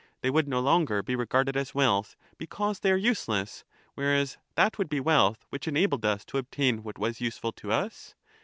They would no longer be regarded as wealth, because they are useless, whereas that would be wealth which enabled us to obtain what was useful to us?